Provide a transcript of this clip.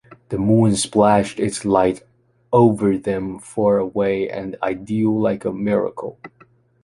The moon splashed its light over them far away and ideal like a miracle.